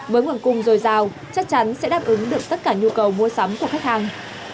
với nguồn cung dồi dào chắc chắn sẽ đáp ứng được tất cả nhu cầu mua sắm của khách hàng